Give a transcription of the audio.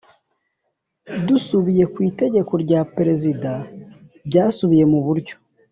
dusubiye kw itegeko rya perezida byasubiye muburyo